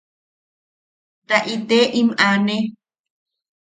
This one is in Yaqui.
¡Kaite im aane!